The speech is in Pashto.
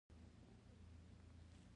د پردیو پیروۍ تورونه